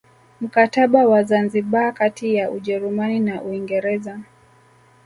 Mkataba wa Zanzibar kati ya Ujerumani na Uingereza